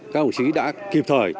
các ổng chí đã kịp thời